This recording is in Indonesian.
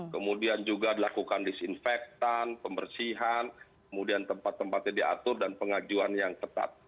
kemudian juga dilakukan disinfektan pembersihan kemudian tempat tempatnya diatur dan pengajuan yang ketat